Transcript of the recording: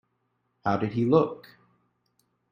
How did he look?